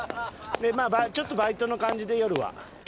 ちょっとバイトの感じで夜は。